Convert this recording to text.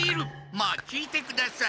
まあ聞いてください。